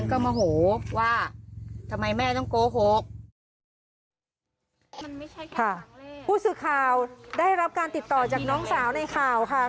ค่ะภูเซอร์ข่าวได้รับการติดต่อจากน้องสาวในข่าวค่ะ